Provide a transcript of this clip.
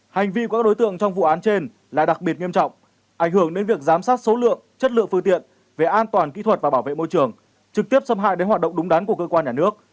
các số lượng chất lượng phương tiện về an toàn kỹ thuật và bảo vệ môi trường trực tiếp xâm hại đến hoạt động đúng đắn của cơ quan nhà nước